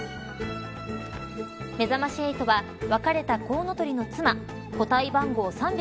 めざまし８は別れたコウノトリの妻個体番号